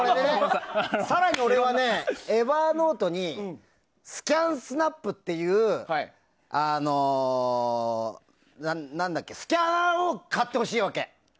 更に俺はＥｖｅｒｎｏｔｅにスキャンスナップっていうスキャナーを買ってほしいわけ。